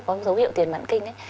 có dấu hiệu tiền mẵn kinh đấy